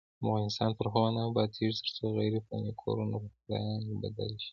افغانستان تر هغو نه ابادیږي، ترڅو غیر پلاني کورونه په پلان بدل نشي.